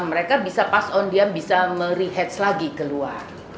mereka bisa pass on dia bisa me re hedge lagi ke luar